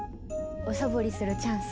おさぼりするチャンス。